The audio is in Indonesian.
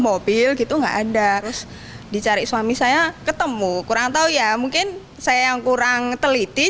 mobil gitu enggak ada terus dicari suami saya ketemu kurang tahu ya mungkin saya yang kurang teliti